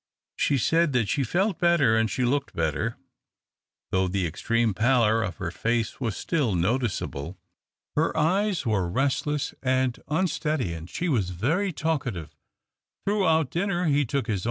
She said that she felt better and she looked better, though the extreme pallor of her face was still noticeable. Her eyes were restless and unsteady, and she was very talkative. Throudiout dinner he took his 246 THE OCTAVE OF CLAUDIUS.